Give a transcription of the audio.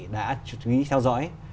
đã chú ý theo dõi